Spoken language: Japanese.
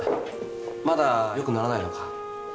まだよくならないのか？